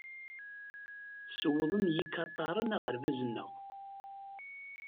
Sewḍen yikataren aɣerbaz-nneɣ.